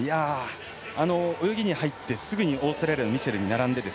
泳ぎに入ってすぐにオーストラリアのミシェルに並んで。